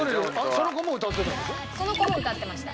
その子も歌ってました。